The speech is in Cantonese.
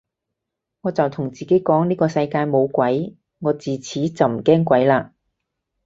我就同自己講呢個世界冇鬼，我自此就唔驚鬼嘞